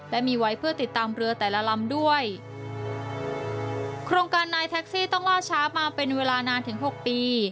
และมีไว้เพื่อติดตามเรือแต่ละลำด้วยโครงการนายแท็กซี่ต้องล่าช้ามาเป็นเวลานานถึงหกปี